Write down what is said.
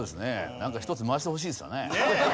なんか１つ回してほしいですよね。